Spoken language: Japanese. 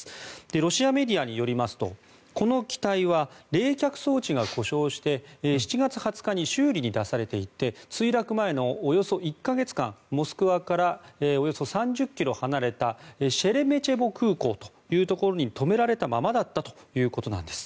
ロシアメディアによりますとこの機体は冷却装置が故障して７月２０日に修理に出されていて墜落前のおよそ１か月間モスクワからおよそ３０ｋｍ離れたシェレメチェボ空港というところに止められたままだったということです。